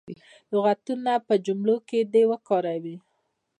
لغتونه په جملو کې دې وکاروي.